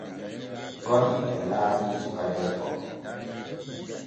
Goni e laati suka debbo.